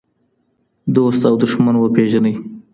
دوست او دښمن وپیژنئ.